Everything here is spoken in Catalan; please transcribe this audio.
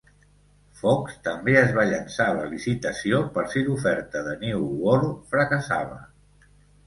Fox també es va llançar a la licitació per si l'oferta de New World fracassava.